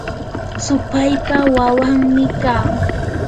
supaypa wawanmi kaa.